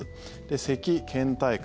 せき、けん怠感